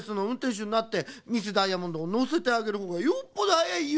しゅになってミス・ダイヤモンドをのせてあげるほうがよっぽどはやいよ。